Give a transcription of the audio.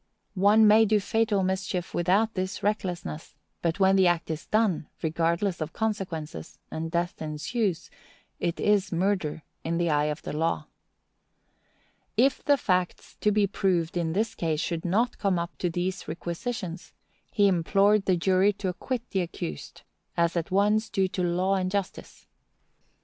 One may do fatal mischief without this recklessness; but when the act is done, regardless of consequences, and death ensues, it is murder in the eye of the law. If the facts to be proved in this case should not come up to these requisitions, he implored the jury to acquit the accused, as at once due to law and justice.